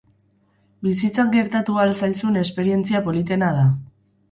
Bizitzan gertatu ahal zaizun esperientzia politena da.